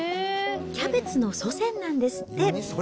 キャベツの祖先なんですって。